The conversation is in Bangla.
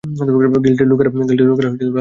গিল্ডের লোকেরা রাস্তায় আছে।